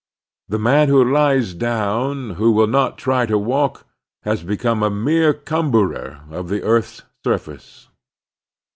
The man who lies down, who will not try to walk, has become a mere cumberer of the earth's surface.